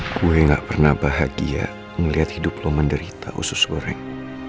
gue gak pernah bahagia melihat hidup lo menderita usus goreng